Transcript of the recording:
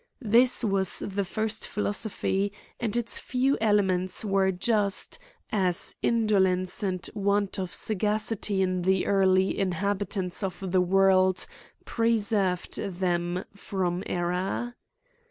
This was the first philosophy, and itb few elements were just, •as indolence and want of sagacity in the early in. habitants of the world preserved them from error.